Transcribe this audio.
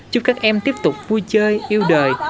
chúc các em tiếp tục vui chơi yêu đời